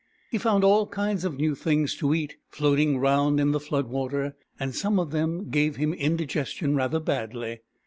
He found all kinds of new things to eat, floating round in the flood water ; and some of them gave him indigestion rather badly.